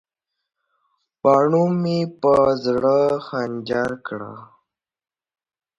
باڼو مې په زړه خنجر کړل.